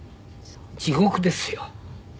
地獄ですよ。